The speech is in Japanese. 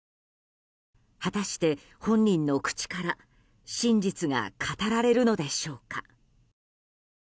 果たして、本人の口から真実が語られるのでしょうか。